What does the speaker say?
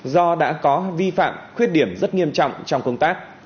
do đã có vi phạm khuyết điểm rất nghiêm trọng trong công tác